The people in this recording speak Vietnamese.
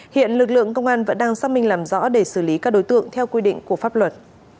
hiện lực lượng công an vẫn đang xác minh làm rõ để xử lý các đối tượng theo quy định của pháp luật